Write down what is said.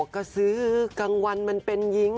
กระสือกลางวันมันเป็นยิ้ง